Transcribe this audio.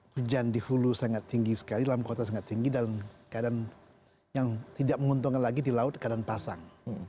hujan di hulu sangat tinggi sekali dalam kota sangat tinggi dalam keadaan yang tidak menguntungkan lagi di laut keadaan pasang